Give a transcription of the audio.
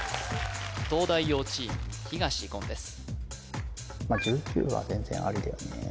東大王チーム東言です